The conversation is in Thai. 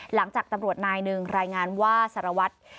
หลังจากตำรวจนายหนึ่งรายงานว่าสารวัตร